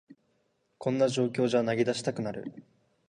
こんな状況じゃ投げ出したくなる